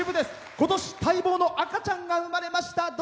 ことし、待望の赤ちゃんが生まれました。